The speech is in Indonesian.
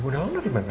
ibu dawang dari mana